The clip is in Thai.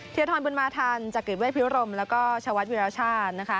เทียทรบุญมาธรรมจักริยเวชพิรุรมแล้วก็ชาวัฒน์วิราชาญ